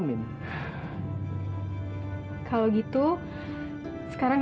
jikaame masih beridents